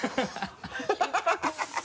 ハハハ